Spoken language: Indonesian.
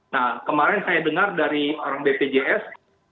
nah kemarin saya dengar dari orang bpjs